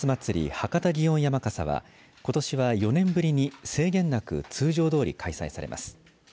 博多祇園山笠はことしは、４年ぶりに制限なく通常どおり開催されます。